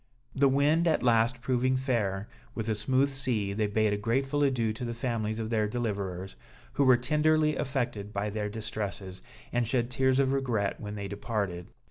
The wind at last proving fair, with a smooth sea, they bade a grateful adieu to the families of their deliverers, who were tenderly affected by their distresses, and shed tears of regret when they departed.